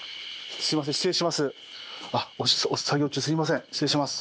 すいません失礼します。